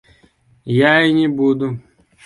Я і не буду.